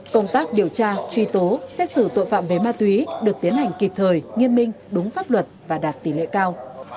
công tác điều tra truy tố xét xử tội phạm về ma túy được tiến hành kịp thời nghiêm minh đúng pháp luật và đạt tỷ lệ cao